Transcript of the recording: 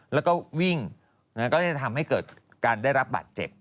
แล้วก็วิ่งก็จะทำให้เกิดการได้รับบาดเจ็บ